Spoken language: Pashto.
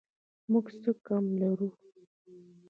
موږ څه کم لرو؟